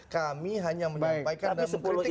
kami hanya menyampaikan dan mengkritik